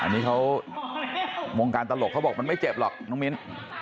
อันนี้เขาวงการตลกเขาบอกมันไม่เจ็บหรอกน้องมิ้น